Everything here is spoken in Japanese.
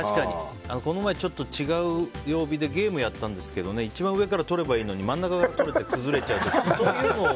この前ちょっと違う曜日でゲームをやったんですけど一番上から取ればいいのに真ん中から取って崩れちゃうっていう。